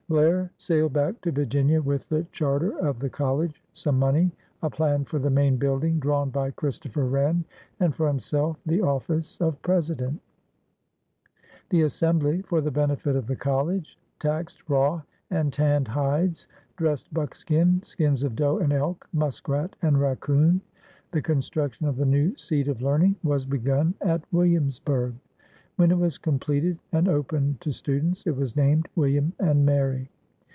" Blair sailed back to Vir ginia with the charter of the collie, some money, a plan for the main building drawn by Christopher Wren, and for himself the office of President. The Assembly, for the benefit of the collie. 816 PIONEERS OF THE OLD SOUTH taxed raw and tanned hides, dressed buckskin, skins of doe and elk, muskrat and raccoon. The construction ol the new seat of learning was begun at Williamsburg. When it was completed and opened to students, it was named William and Mary.